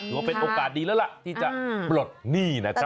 ว่าเป็นโอกาสดีแล้วล่ะที่จะปลดหนี้นะครับ